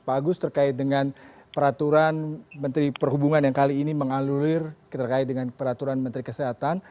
pak agus terkait dengan peraturan menteri perhubungan yang kali ini mengalulir terkait dengan peraturan menteri kesehatan